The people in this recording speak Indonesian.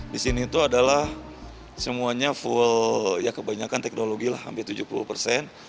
di sini itu adalah semuanya full ya kebanyakan teknologi lah hampir tujuh puluh persen